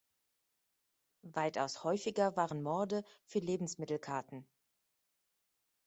Weitaus häufiger waren Morde für Lebensmittelkarten.